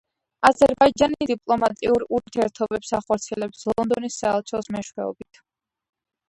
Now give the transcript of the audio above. აზერბაიჯანი დიპლომატიურ ურთიერთობებს ახორციელებს ლონდონის საელჩოს მეშვეობით.